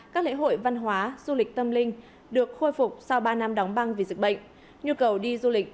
các lễ hội văn hóa du lịch tâm linh được khôi phục